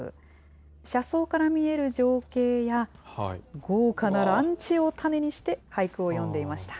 車窓から見える情景や、豪華なランチをタネにして、俳句を詠んでいました。